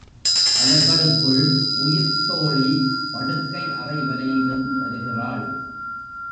அவர்களுக்குள் உயிர்த்தோழி படுக்கை அறை வரையிலும் வருகிறாள்.